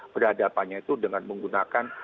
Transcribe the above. berhadapannya itu dengan menggunakan